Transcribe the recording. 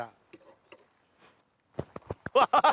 ワハハハ！